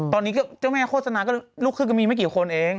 ตอนนี้ก็เจ้าแม่โฆษณาก็ลูกครึ่งก็มีไม่กี่คนเอง